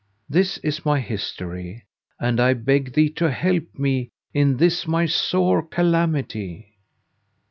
This is my history and I beg thee to help me in this my sore calamity."